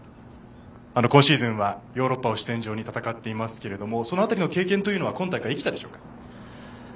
今シーズンはヨーロッパを主戦場に戦っていますがその辺りの経験というのは今大会も生きたでしょうか。